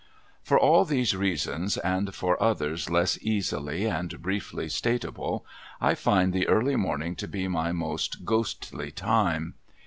For all these reasons, and for others less easily and briefly statable, I find the early morning to be my most ghostly time.